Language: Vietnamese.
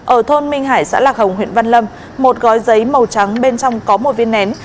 ở thôn minh hải xã lạc hồng huyện văn lâm một gói giấy màu trắng bên trong có một viên nén